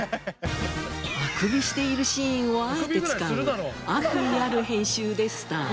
あくびしているシーンをあえて使う悪意ある編集でスタート。